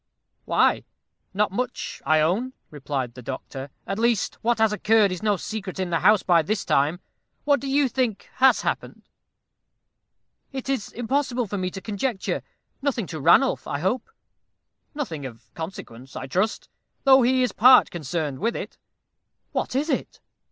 "Why, not much, I own," replied the doctor; "at least what has occurred is no secret in the house by this time. What do you think has happened?" "It is impossible for me to conjecture. Nothing to Ranulph, I hope." "Nothing of consequence, I trust, though he is part concerned with it." "What is it?"